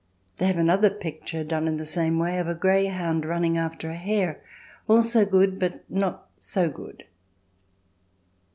They have another picture, done in the same way, of a greyhound running after a hare, also good but not so good.